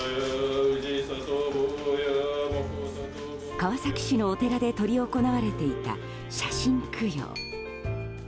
川崎市のお寺で執り行われていた写真供養。